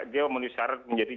dia memiliki syarat menjadi